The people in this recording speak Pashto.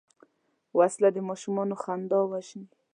وسله د ماشوم خندا وژني